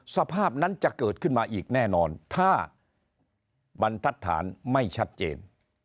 สภาพนั้นจะเกิดขึ้นมาอีกแน่นอนถ้าบรรทัศน์ไม่ชัดเจน